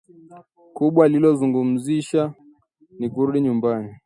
Kubwa lililomhuzunisha ni kurudi nyumbani